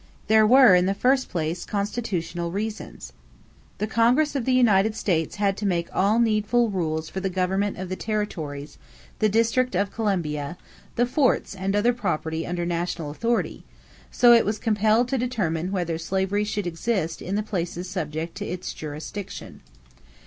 There were, in the first place, constitutional reasons. The Congress of the United States had to make all needful rules for the government of the territories, the District of Columbia, the forts and other property under national authority; so it was compelled to determine whether slavery should exist in the places subject to its jurisdiction.